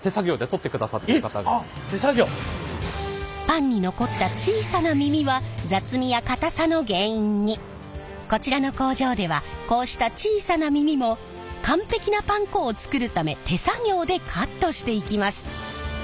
パンに残った小さな耳はこちらの工場ではこうした小さな耳も完璧なパン粉を作るため手作業でカットしていきます。